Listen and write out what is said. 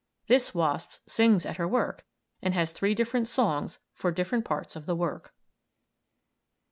This wasp sings at her work and has three different songs for different parts of the work.